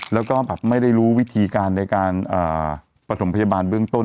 แล้วก็แบบไม่ได้รู้วิธีการในการประถมพยาบาลเบื้องต้น